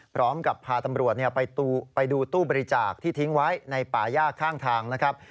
พร้อมกับพาตำรวจไปดูตู้บริจาคที่ทิ้งไว้ในป่าย่าข้างทางนะครับ